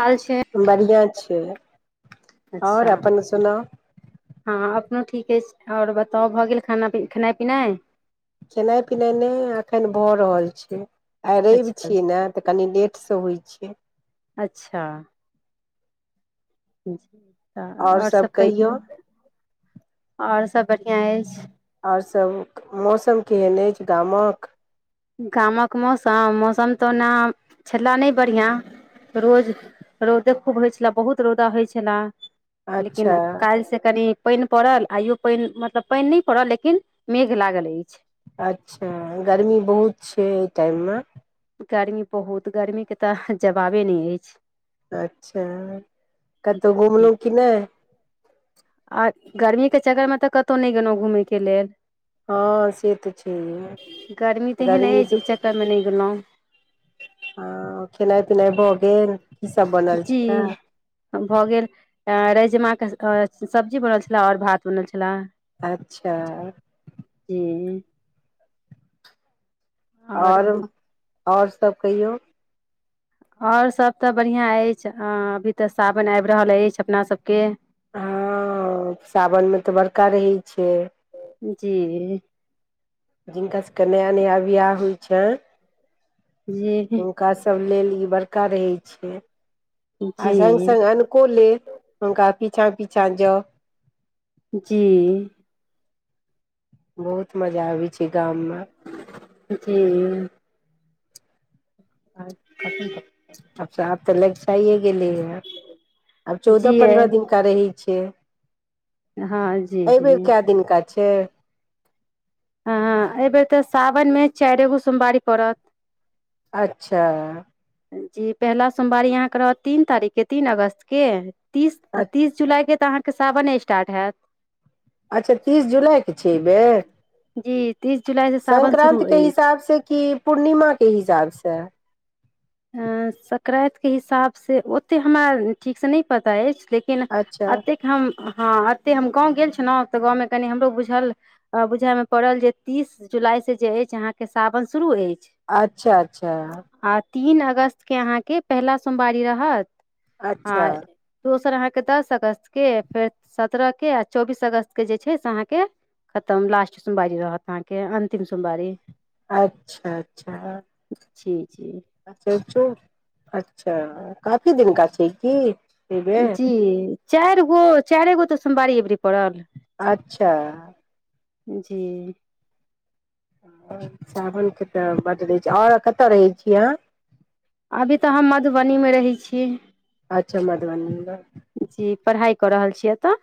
हाल छै बढ़ियाँ छै और अच्छा अपन सुनाउ हँ अपनो ठीके छै और बताउ भऽ गेल खाना प खेनाइ पिनाइ खेनाइ पिनाइ नहि एखन भऽ रहल छै आइ रैब अच्छा छियै ने तऽ कनि लेटसँ होइ छै अच्छा तऽ आओर और सभ सब कहियौ और सब बढ़ियाँ अइछ और सब मौसम केहेन अइछ गामक गामक मौसम मौसम तऽ ओना छला नहि बढ़ियाँ रोज रौदे खूब होइ छला बहुत रौदा होइ छला लेकिन अच्छा काइल से कनी पइनि पड़ल आइयो पइनि मतलब पइन नहि पड़ल लेकिन मेघ लागल अइछ अच्छा गर्मी बहुत छै ओइ टाइमम गर्मी बहुत गर्मी के तऽ जबाबे नहि अइछ अच्छा कतौ घुमलहुँ कि नहि आ गर्मीके चक्करमे तऽ कतौ नहि गेलौ घूमयके लेल हँ से तऽ छैहे गर्मी तेहन अइछ ई चक्करमे नहि गेलौ हँ खेनाइ पिनाइ भऽ गेल सब बनल जी छलै भऽ गेल रैजमा के सब्जी बनल छला और भात बनल छला अच्छा जी आओर आओर सभ कहियौ आओर सभ तऽ बढ़िआँ अछि अभी तऽ सावन आबि रहल अछि अपनासभके हँ साावन मे तऽ बड़का रहै छै जी के नया नया बियाह होइ छै जी ई बड़का रहै छै आ संग जी संग अननको लेल हुनका पिछाँ पीछाँ ज जी बहुत मजा आबैत छै गाममे जी अच्छा ठीक अबफ तऽ लग जाइए गेलेये अब चौदह जी पन्द्रह दिन का रही हँ जी एहिबेर जी क दिनकनका छै हँ एहि बेेर तऽ साावनमे चारि एगो सोमवारी पड़त अच्छा जी पहिला सोमवारी यहाँके रहत तीन तारीखके तीन अगस्तके तीस तीस जुलाइके तऽ अहाँके सावने स्टार्ट हैत अच्छा तीस जुलाइके छै एहि बेेर जी तीस जुलाइसँ सावन शुरू संक्रान्ते अछि हिसाबसँ कि पूर्णिमाके हिसाबसँ सकरानतिके हिसाबसँ ओतेक हमरा ठीकसँ नहि पता अछि लेकिन अच्छा एतेक हम हँ एते हम गाँंव गेल छलहुौं तऽ गाँं में कनी हमरो बुझल बुझए मे पड़ल जे तीस जू जुलाई से जे अछि अहाँ के सावन शुरू अछि अच्छा अच्छा आ तीन अगस्त के अहाँके पहिला सोवारी रहत आ अच्छा अहाँके दस अगस्त के फेर सत्रह के आ चौबीस अगस्त के जे छै से अहाँके खतम लास्ट सोमवारी रहत अहाँके अंतिम सोमवारी अच्छा अच्छा जी जी अच्छा अच्छा काफी दिन का छै की बेर जी चारि गो चारे गो तऽ सोमवारी अबरी पड़ल अच्छा जी सावनके तऽ बड रहै छै आओर कतय रहै छी अहाँ अभी तऽ हम मधुबनी मे रहै छी अच्छा मधुबनी मे जी पढ़ाइ कऽ रहल छियै एतऽ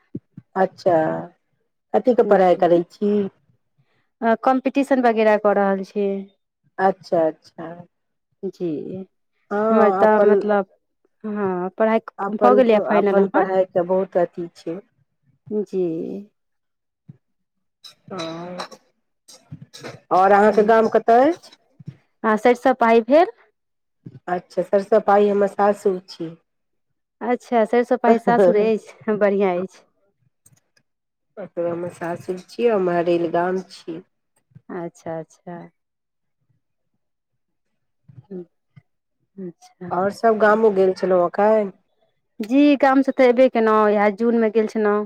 अच्छा कथी के पढ़ाइ करै छी अ कम्पिटिशन वगैरह कऽ रहल छी अच्छा अच्छा जी हमर हँ तऽ अपन मतलब हँ पढ़ाइ भऽ अपन गेलैए त फाइनल अपन हमर पढ़ाइके बहुत अथी छै जी हँ आओर अहाँ के गाम कतय अछि पाइभैर अच्छा सरिसो पाइ हमर सासुर छी अच्छा सरिसो पाइ सासुर ओकर अछि बढ़िआँ अछि ओाद मे सासुर छी आर महरैल गाम छी अच्छा अच्छा ह्म आओर सभ गामो गेल छलहुँ एखन जी गामसँ तऽ एबे केलहुँ यहै जून मे गेल छलहुँ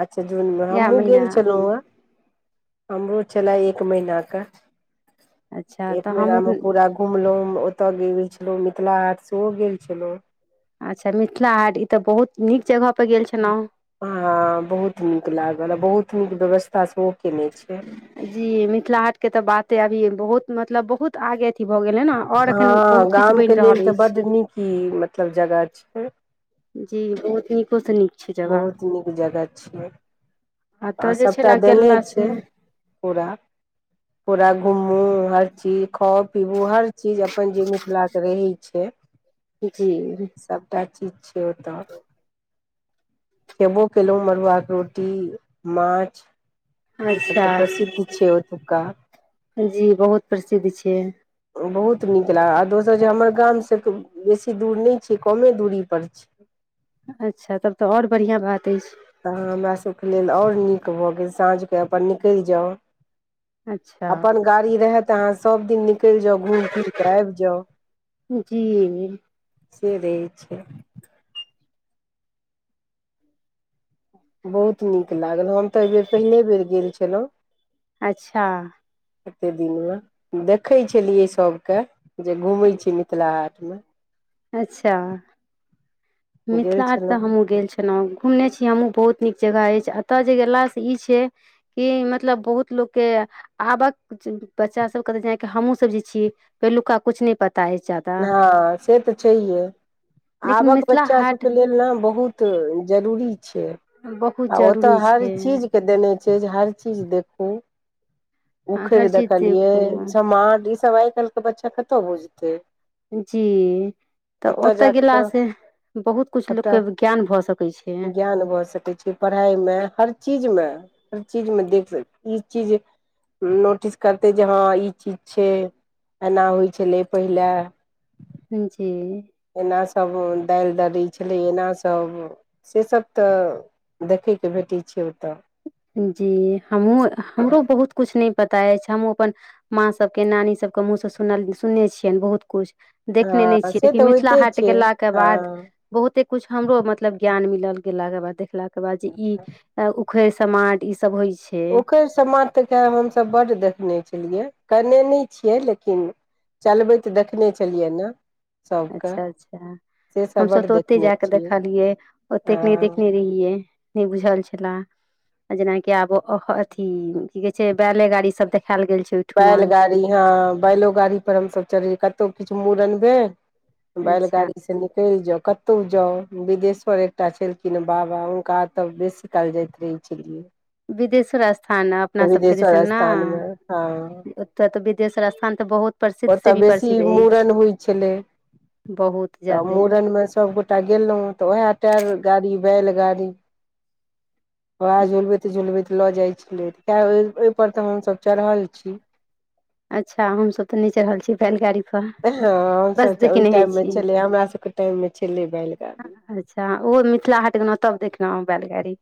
अच्छा जूनमे इएह हमहूँ महिना गेल छलहुँ हेँ हमरो छलै एक महीना क अच्छा एक तऽ महीना हमहूँ मे पूरा घुमलहुं हम ओतय गै छलहुँ मिथिला हाट सेहो गेल छलहुँ अच्छा मिथिला हाट ई तऽ बहुत नीक जगह हँ बहुत नीक लागल बहुत नीक व्यवस्था सेहो केने छै जी मिथिला हाट के तऽ बाते अभी बहुत मतलब बहुत आगे भ गेलै न और एखन हँ बहुत किछु गाम ब‌इन के लेल रहल तऽ अछि बड नीक ई मतलब जगह छै जी ओहुत निकोसनी बहुत नीक जगह छियै अहां एतय जे छै सभटा ने देने छियै गेलासँ पूरा पूरा घुमू हर चीज खाउ पीबू हर चीज अपन जे मिथिला के रहे छै जी सभटा चीज छै ओतय खेबो केलहु मरुआक रोटी माछ ईसभ अच्छा तऽ प्रसिद्ध छै ओतुका जी बहुत प्रसिद्ध छै बहुत नीक लागल आ दोसर जे हमर गाम से तऽ बेसी दूर नहि छै कमे दूरी पर छै अच्छा तब तऽ और बढ़िआँ बात अछि तऽ हमरा सभके लेल और नीक भऽ गेल साँझकेँ अपन निकलि जाउ अच्छा अपन गाड़ी रहे त अहाँ सब दिन न निकलि जाउ घूम फिर क आबि जाउ जी से रहै छै बहुत नीक लागल हम तऽ एहि बेेर पहिले बेर गेल छलहुँ अच्छा कतेक दिनमे देखै छलियै सभके जे घूमै छै मिथिला हाटमे अच्छा गेल मिथिला हाट तऽ छलहुँ हमहु गेल छल केना घुमने छी हमहु बहुत नीक जगह अछि एतए जे गेला से ई छै कि मतलब बहुत लोगके आबक बच्चा सब कतो जाय के हमहु सब जे छियै पहिलुका कुछ नहि पता अछि जादा हँ से तऽ छैहे लेकिन आबक ब मिथिला बच्चा हाट सबके लेल ने बहुत जरूरी छियै बहुत आ ओतय जरूरी हर छै चीजके देने छै जे हर चीज देखू आ हर उखरि चीज देखलियै देखू समाट ई सब आइ काल् के बच्चा कतहु बुझते जी तऽ ओतऽ जाक तऽ गेलासँ बहुत किछु सभटा लोकके ज्ञान भऽ सकैत छै ज्ञान भऽ सकैत छै पढ़ाइमे हर चीजमे हर चीजमे देख सक ई चीज नोटिस करते जे हँ ई चीज छै एना होइ छलै पहिले ह छै एना सब दालि दर् कहे छलै एना सब से सब तऽ देखैके भेटै छै ओतऽ जी हमहु हमरो बहुत कुछ नै पता अछि हमहु अपन माँ सब के नानी सब के मुँह से सुनल सुनने छियनि बहुत कुछ देखने नहि हँ छियै से लेकिन तऽ मिथिला होइते हाट छियै गेला के बाद हँ बहुते कुछ हमरो मतलब ज्ञान मिल गेलाक के बाद देखलाक के बाद जे ई उखैर समाट ई सब होइ छै ओखर समाट तऽ खैर हमसभ बड्ड देखने छलियै कैने नहि छियै लेकिन चलबैतऽ देखने छलियै ने सभके अच्छा अच्छा से सब हमसभ बड्ड तऽ ओते देखने जा कऽ छियै देखलियै ओतेक नहि हँ देखने रहियै नै बुझल छला जेनाकि आब अथी की कहे छै बैले गाड़ी सब देख बैलगाड़ी हाँ बैलो गाड़ी पर हमसब चढ़ैै कतउ किछ मूड़न भैल अच्छा बैलगाड़ी से निकलि जाउ कतहु जाउ बिदेश्वर एकटा छलखिन ह बाबा हुनका तऽ बेसी काल जाइत रहै छलियै बिदेश्वर स्थान अपना सबके दिसन बिदेश्वर स्थान मे ने ओते तऽ बिदेश्वर स्थान तऽ बहुत प्रसिद्ध ओ तऽ से भी बेसी प्रसिद्ध अछि मूड़न होइ छलै बहुत तऽ ज्यादे मूड़न में सबगोटा गेलहुँ तऽ उएह टार गाड़ी बैलगाड़ी ओह झुलबेत झुलबेत लऽ जाइ छलै ते ओहिपर तऽ हमसब चढ़ल छी अच्छा हमसब तऽ नहि चढ़ छियै बैल गाड़ी हेलो हाँ हमसब त ओहि टाइममे छी छलै हमरा सबके टाइममे छलै बैलगाड़ी ओहो मिथिला हाट गेलहुँ तब देखलहुँ बैलगाड़ी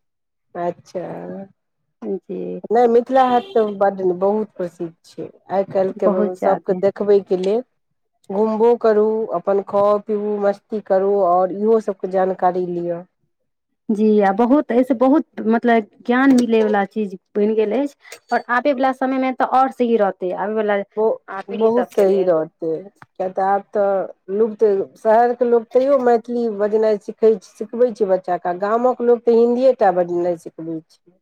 अच्छा जी नहि मिथिला हाट तऽ बड्ड बहुत प्रसिद्ध छै आइ काल्हिके बहुत सबके ज्यादे देखबैके लेल घुमबो करू अपन खाउ पीबू मस्ती करू ओर इहो सबके जानकारी लिअ जी आ बहुत एहिसे बहुत मतलब ज्ञान मिलैवला चीज बनि गेल अछि ओर आ आबे वाला समय मे तऽऔर सही रहतै आबयवला ब पीढ़ी बहुत सभके सही लेल रहतेै क्य तऽ आब तऽ लुप्त शहर के लोग तैयो मैथिली बजनाई सखै सिखबै छियै बच्चाके गामक लोक तऽ हिन्दीए टा बज नहि सिखबै छै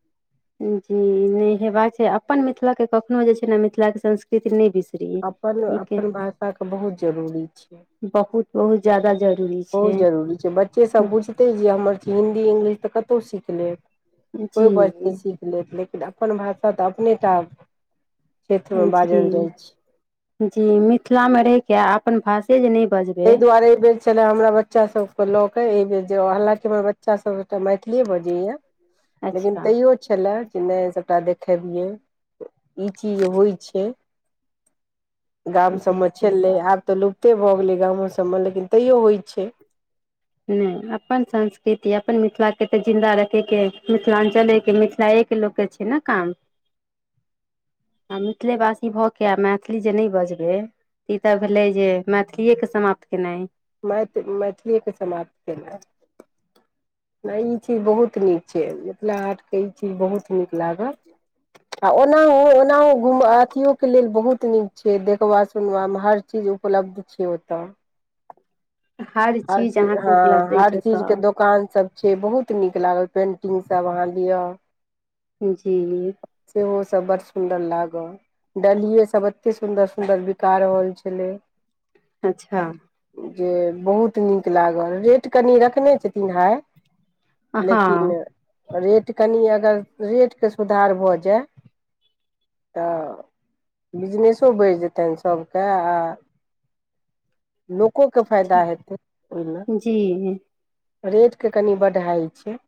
जी नहि हेबाक छै अपन मिथिलाके कखनो जे छै ने मिथिलाके संस्कृति नहि बिसर अपन अपन भाषाके बहुत जरूरी छै बहुत बहुत जादा जरु बहुत जरूरी छै बच्चेसभ बुझतै जे हमर हिंदी इंग्लिश तऽ कतहु सीख लेब जी कोइ बच्चे सीख लेत अपन भाषा तऽ अपनेटा क्षेत्रमे बाजल जी जाइ छै जी मिथिला मे रहि के अपन भाषे जे नहि बजबै ताहि दुआरे एहि बेर छले हमरा बच्चा सबके लऽ के एहि बेर जे हालकि हमर बच्चा सबटा मैथिलीए बाजयेया लेकिन अच्छा तैयो छलय कि नहि सबटा देखबियै ई चीज होइ छै गाम जी सबमे सही छललै बात आब तऽ छै लुप्ते भऽ गेलै गामो सबमे लेकिन तैओ होइ छै नहि अपन संस्कृति अपन मिथिलाके तऽ जिन्दा रखयके मिथिलाञ्चलेके मिथिला लोक के छै ने काम [inaudible] आ मिथिलेवासी भऽ कऽ आ मैथिली जे नहि बजबै ई तऽ भेलै जे मैथिलीएके समाप्त केनाई मैथिल मैथिलीएके समाप्त कनाई नहि ई चीज बहुत नीक छै मिथिला हाट कहैय छै बहुत नीक लागल आ ओनाहु ओनाहु अथियोके लेल बहुत नीक छै देखबा सुनबामे हर चीज उपलब्ध छै ओतऽ हर चीज ची अहाँके हाँ उपलब्ध हर अछि चीज के ओतऽ दोकान सब छै बहुत नीक लागल पेन्टिंगसब अहाँ लिअउ जी ओ सब बड़ सुन्दर लाग डलहि सब एते सुन्दर सुन्दर बिका रहल छलै अच्छा जे बहुत बहुत नीक लागल रेट कनि रखने छथिन हाय हँ लेकिन रेट कनि अगर रेटके सुधार भऽ जाय तऽ बिजनेसो बढ़ि जेतन सबके आ लोकोे फायदा हेतै ओहिमे जी रेटके कनि बड हाइ छै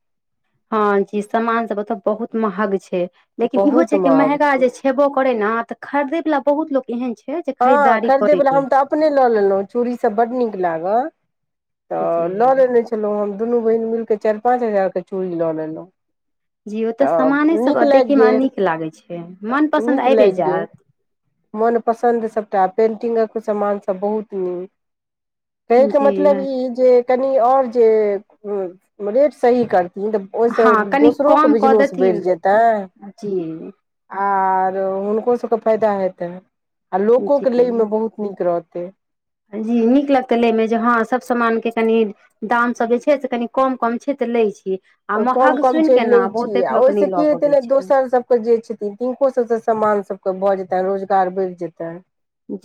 हँ जी सामान सब ओतऽ बहुत महग छै लेकिन इहो बहुत छै कि महग महगा छै जे छेबो कर करे न तऽ खरीदे वाला बहुत लो एहन छै जे हँ खरीदारी करैत खरीदैवला हम तऽ अछि अपने लऽ लेलहुँ चूड़ीसभ बड्ड नीक लागल तऽ लऽ जी लेने छलहुँ हम दुनू बहीन मिलि कऽ चारि पाँच हजारके चूड़ी लऽ ललेलउ जी ओ तऽ सामानेसभ देखयमे गेल नीक लागैत छै मनपसन्द आबिए जायत मनपसन्द सभटा पेन्टिंगक सामानसभ बहुत नीक कहैके जी मतलब ई जे कनि आओर जे रेट सही करतै तऽ ओहिसँ हँ कनि दोसरोके कम कऽ बिजनेस बढ़ि देथिन जेतै जी आर हुनको सबके फायदा हेतै आ लोकोक के लय मे जी बहुत नीक रहत जी नीक लगतै लेमे जे हँ सभ सामानके कनि दाम सब जे छै से कनी कम कम छै त लय छीय कम कम जे लैत छीयै आ लोक नहि ओहिसँ की लऽ हेतै पबै ने छै दोसरसभके जे छथिन तिनकोसभसँ सामानसभ भए जेते रोजगार बढ़ जेते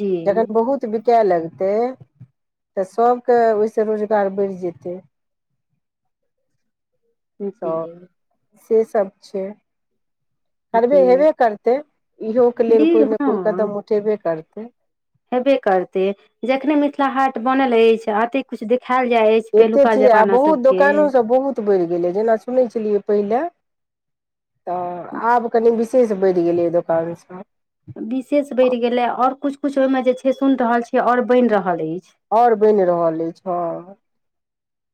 जी जखन बहुत बिकाय लगते तऽ सभके ओहिसँ रोजगार बढ़ि जेतै तऽ [unintelligible] से सभ छै करबे जी हेबे करतै इहो के जी लेल कोइ ने कोइ हँ कदम उठेबे करतै हेबे करतै जखने मिथिला हाट बनल अछि अ ते किछु देख एते छिय आ बहुत दोकानोसभ बहुत बढ़ि गेलै जेना सुनैत छलियै पहिले तऽ आब कनि विशेष बढ़ि गेलियै दोकानसँ विशेष बढ़ि गेले और कुछ कुछ ओहिमे जे छै सुन रहल छी और बनि रहल अछि आओर बनि रहल अछि हँ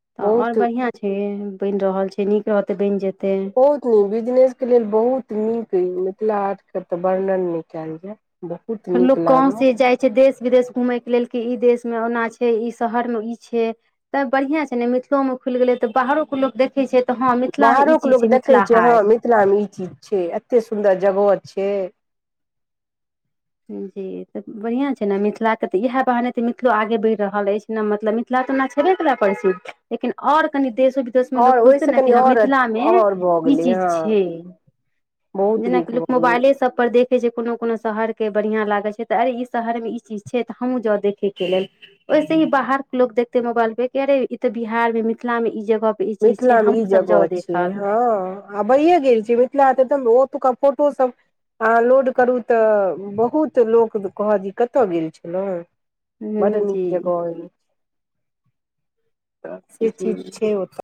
तऽ आओर बहुत बढ़िआँ छै बनि रहल छै नीक रहते बनि जेतै बहुत न बिजनेस के लेल बहुत नीक मिथिला हाट के तऽ वर्णन नहि कयल जाय बहुत नीक लोग कहं लागल से जाइ छै देश विदेश घूमय के लेल कि ई देश मे ओना छै ई शहर में ई छै तऽ बढ़िया छै ने मिथिलो में खुलि गेले तऽ बाहरो के लोक देख बाहरो के लोकग देखै छै हँ हाट मिथिला मे ई चीज छै एते सुन्दर जगह छै जी तऽ बढ़िआँ छै ने मिथिलाके तऽ इएह बहाने तऽ मिथिलो आगे बढ़ि रहल अछि ने मतलब मिथिला तऽना छेबे करै पड़ छै लेकिन आओर कनि देशो विदेश मे आओर लोक बुझते ओहिसँ ने कनि कि ह आओर मिथिला मे आओर भऽ ई गेलै चीज छै हँ बहुत नीक जेनाकि लोक भऽ गेलै मोबाइले सब पर देखे छै कोनो कोनो शहर के बढ़िया लागे छै त अरे ई शहर मे ई चीज छै तऽ हमहुँ जाउ देखे के लेल ओहिसे ही बाहर के लोग देखते मोबाइलबेे ई ते बिहार मे मिथिला मे ई जग मिथिला मे ई जगह छै हँ आ भहिए गेल छै मिथिला त ओ फोटो सभ अहाँ लोड करू तऽ बहुत लोक कहत जे ई कतय गेल छलहुँ बड हूँ जी नीक जगह हो से जी चीज छै ओतऽ